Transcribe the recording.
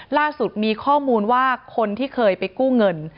ล่าสุดมีข้อมูลว่าคนที่เคยไปกู้เงิน